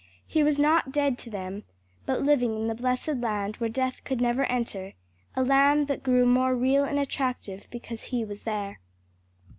He was not dead to them, but living in the blessed land where death could never enter, a land that grew more real and attractive because he was there.